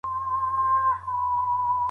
که تاسو غواړئ، نو پیغامونه به خوندي شي.